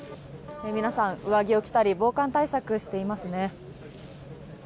皆さん上着を着たり防寒対策していますね。